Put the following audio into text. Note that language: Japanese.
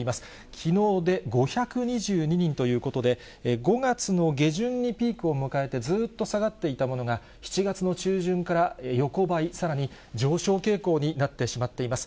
きのうで５２２人ということで、５月の下旬にピークを迎えて、ずっと下がっていたものが、７月の中旬から横ばい、さらに上昇傾向になってしまっています。